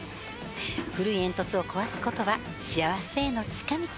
古い煙突を壊すことは幸せへの近道